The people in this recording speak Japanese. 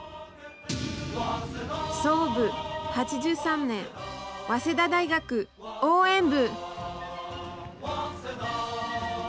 創部８３年、早稲田大学応援部。